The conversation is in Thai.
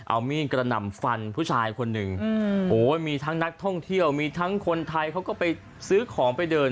เอามีดกระหน่ำฟันผู้ชายคนหนึ่งโอ้มีทั้งนักท่องเที่ยวมีทั้งคนไทยเขาก็ไปซื้อของไปเดิน